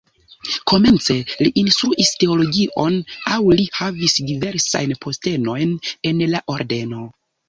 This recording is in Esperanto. Komence li instruis teologion aŭ li havis diversajn postenojn en la ordeno.